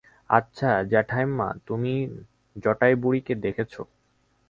আচ্ছা জ্যাঠাইমা, তুমি জটাইবুড়িকে দেখেছ?